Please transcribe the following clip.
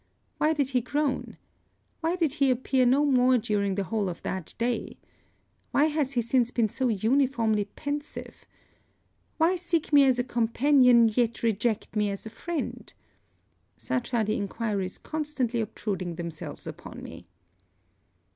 Why did he groan? Why did he appear no more during the whole of that day? Why has he since been so uniformly pensive? Why seek me as a companion, yet reject me as a friend? Such are the enquiries constantly obtruding themselves upon me.